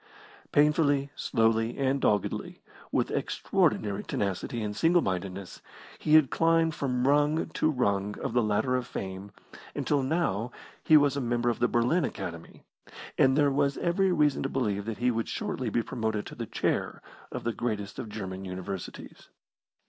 Painfully, slowly, and doggedly, with extraordinary tenacity and singlemindedness, he had climbed from rung to rung of the ladder of fame, until now he was a member of the Berlin Academy, and there was every reason to believe that he would shortly be promoted to the Chair of the greatest of German Universities.